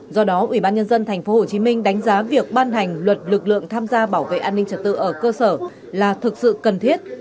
do đó ủy ban nhân dân tp hcm đánh giá việc ban hành luật lực lượng tham gia bảo vệ an ninh trật tự ở cơ sở là thực sự cần thiết